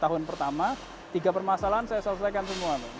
tahun pertama tiga permasalahan saya selesaikan semua